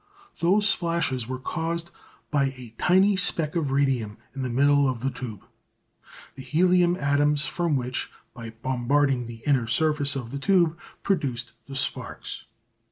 Those splashes were caused by a tiny speck of radium in the middle of the tube, the helium atoms from which, by bombarding the inner surface of the tube, produced the sparks.